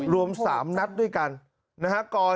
รวมสามนัทด้วยกันนะค่ะกอเหตุหลังจากนานอีกนัดสิบนะ